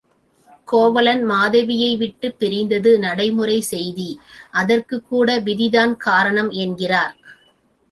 கோவலன் மாதவியை விட்டுப் பிரிந்தது நடைமுறைச் செய்தி, அதற்குக் கூட விதி தான் காரணம் என்கிறார்.